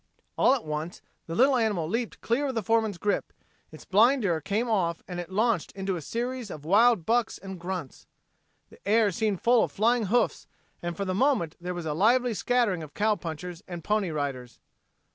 All at once the little animal leaped clear of the foreman's grip, its blinder came off and it launched into a series of wild bucks and grunts. The air seemed full of flying hoofs, and for the moment there was a lively scattering of cowpunchers and Pony Riders.